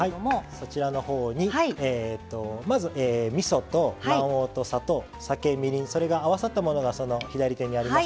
そちらのほうにまずみそと卵黄と砂糖酒みりんそれが合わさったものがその左手にあります。